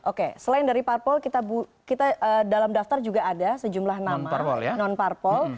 oke selain dari parpol kita dalam daftar juga ada sejumlah nama non parpol